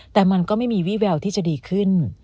แต่มันก็ไม่มีวี่แววที่จะดีขึ้น